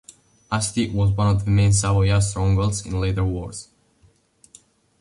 Asti was one of the main Savoyard strongholds in later wars.